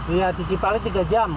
iya di cipali tiga jam